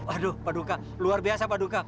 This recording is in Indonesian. aduh paduka luar biasa paduka